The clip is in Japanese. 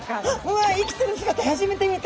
わ生きてる姿初めて見た！